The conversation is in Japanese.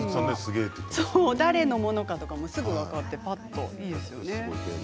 誰のものかとかもすぐに分かってぱっと、いいですよね。